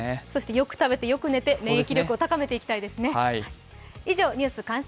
よく食べてよく寝て免疫力を高めていきたいですね。